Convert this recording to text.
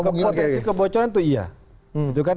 potensi kebocoran itu iya